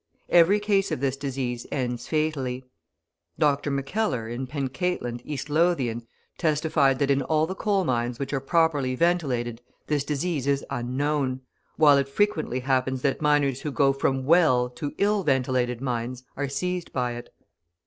Every case of this disease ends fatally. Dr. Mackellar, in Pencaitland, East Lothian, testified that in all the coal mines which are properly ventilated this disease is unknown, while it frequently happens that miners who go from well to ill ventilated mines are seized by it.